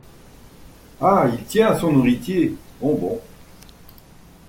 Ah, il tient à son héritier ! bon, bon.